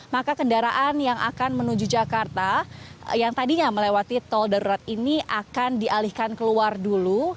maka kendaraan yang akan menuju jakarta yang tadinya melewati tol darurat ini akan dialihkan keluar dulu